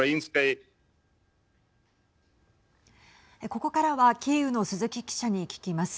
ここからはキーウの鈴木記者に聞きます。